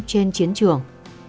trên chiến trường